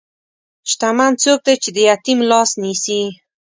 شتمن څوک دی چې د یتیم لاس نیسي.